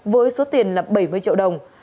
với số tiền là bảy mươi triệu đồng